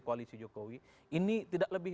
koalisi jokowi ini tidak lebih